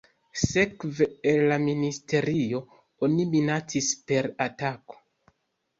Sekve el la ministerio oni minacis per atako.